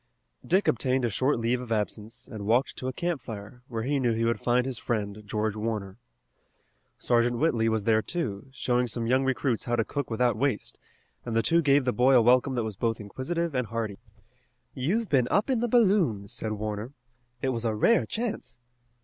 Dick obtained a short leave of absence, and walked to a campfire, where he knew he would find his friend, George Warner. Sergeant Whitley was there, too, showing some young recruits how to cook without waste, and the two gave the boy a welcome that was both inquisitive and hearty. "You've been up in the balloon," said Warner. "It was a rare chance."